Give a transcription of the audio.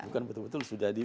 bukan betul betul sudah di uji